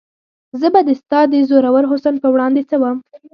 زه به د ستا د زورور حسن په وړاندې څه وم؟